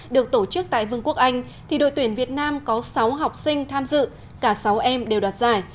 được tổ chức tại vương quốc anh thì đội tuyển việt nam có sáu học sinh tham dự cả sáu em đều đoạt giải